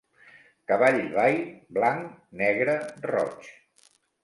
Cavall bai, blanc, negre, roig.